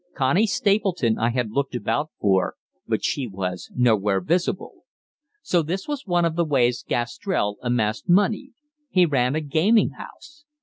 Connie Stapleton I had looked about for, but she was nowhere visible. So this was one of the ways Gastrell amassed money he ran a gaming house!